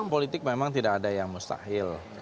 politik memang tidak ada yang mustahil